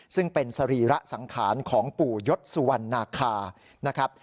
ซึ่งเป็นสรีระสังขารของปู่ยศสุวรรณาคานะครับ